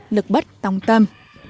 lực bất tòng tâm